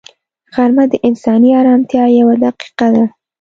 غرمه د انساني ارامتیا یوه دقیقه ده